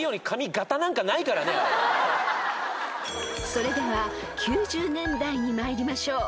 ［それでは９０年代に参りましょう］